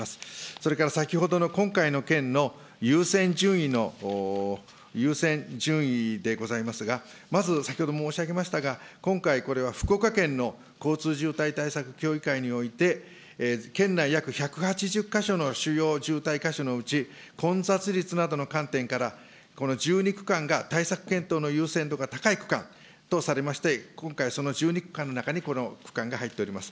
それから先ほどの、今回の件の優先順位の、優先順位でございますが、まず先ほども申し上げましたが、今回、これは福岡県の交通渋滞対策協議会において、県内約１８０か所の主要渋滞箇所のうち、混雑率などの観点からこの１２区間が対策検討の優先度が高い区間とされまして、今回その１２区間の中にこの区間が入っております。